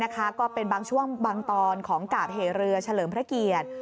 ก็เป็นบางช่วงบางตอนของกาบเหเรือเฉลิมพระเกียรติ